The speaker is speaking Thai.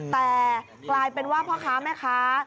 แต่กลายเป็นว่าพ่อค้าแม่ค้า